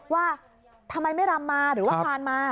ว่าทำไมไม่รำมาหรือว่าคลานมา